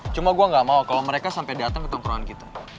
cuma gue gak mau kalau mereka sampai datang ke tongkuran kita